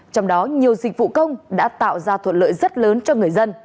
trong đó nhiều dịch vụ công đã tạo ra thuận lợi rất lớn cho người dân